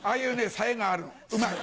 冴えがあるのうまい。